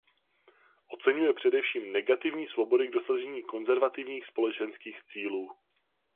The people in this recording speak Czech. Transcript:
Oceňuje především negativní svobody k dosažení konzervativních společenských cílů.